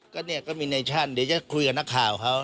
ก็เนี่ยก็มีในชั่นเดี๋ยวจะคุยกับนักข่าวเขา